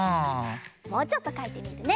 もうちょっとかいてみるね。